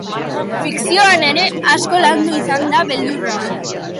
Fikzioan ere asko landu izan da beldurra.